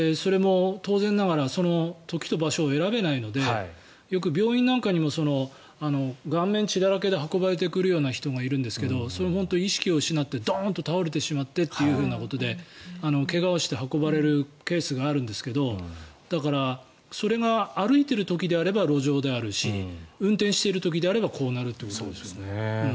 それも当然ながら時と場所を選べないので病院なんかにも顔面血だらけで運ばれてくるような人がいるんですけどそれは意識を失ってしまってどーんと倒れてしまってということで怪我をして運ばれるケースがあるんですけどだから、それが歩いている時であれば路上であるし運転している時であればこうなるということですね。